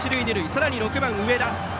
さらに６番、上田。